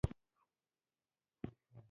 فلم باید ذهنونه مثبت کړي